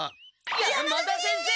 山田先生！？